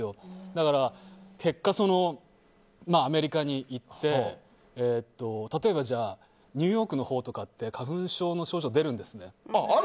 だから結果、アメリカに行って例えばニューヨークのほうとかって花粉症の症状が出るんですね。